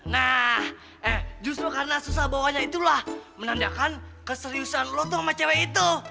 nah justru karena susah bawanya itulah menandakan keseriusan lutung sama cewek itu